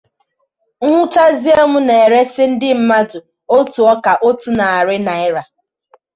m hụchazie m na-eresi ndị mmadụ otu ọka otu narị naịra.